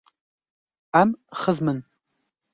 Em xizm in.